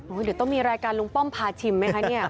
เดี๋ยวต้องมีรายการลุงป้อมพาชิมไหมคะเนี่ย